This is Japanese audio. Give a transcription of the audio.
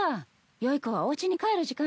良い子はおうちに帰る時間じゃ。